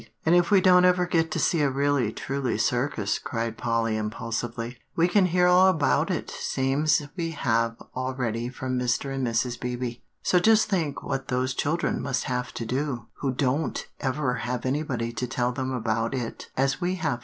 "And if we don't ever get to see a really, truly Circus," cried Polly impulsively, "we can hear all about it same's we have already from Mr. and Mrs. Beebe. So just think what those children must have to do, who don't ever have anybody to tell them about it as we have."